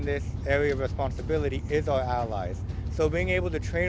jadi dapat berlatih bersama mereka membantu kita menjaga keberadaan dan memperbaiki keberadaan kita